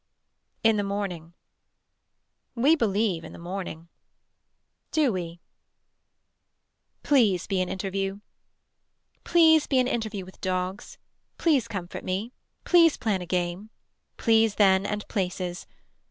In the morning. We believe in the morning Do we. Please be an interview. Please be an interview with dogs. Please comfort me. Please plan a game. Please then and places.